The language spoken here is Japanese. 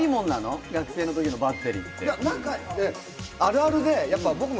学生のときのバッテリーって仲いいの？